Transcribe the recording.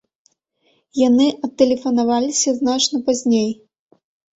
Яны адтэлефанаваліся значна пазней.